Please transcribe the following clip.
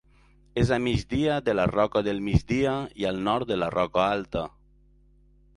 És a migdia de la Roca del Migdia i al nord de la Roca Alta.